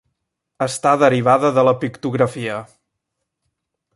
Està derivada de la pictografia.